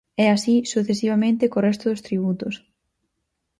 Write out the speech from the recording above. E así sucesivamente co resto dos tributos.